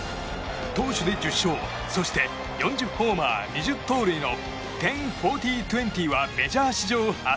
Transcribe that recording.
投手で１０勝そして４０ホーマー、２０盗塁の１０−４０−２０はメジャー史上初。